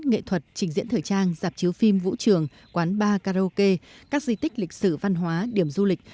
nghệ thuật trình diễn thời trang giạp chiếu phim vũ trường quán bar karaoke các di tích lịch sử văn hóa điểm du lịch